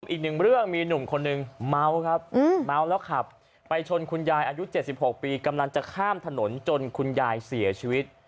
อีกหนึ่งเรื่องมีหนุ่มคนหนึ่งเมาครับเมาแล้วขับไปชนคุณยายอายุ๗๖ปีกำลังจะข้ามถนนจนคุณยายเสียชีวิต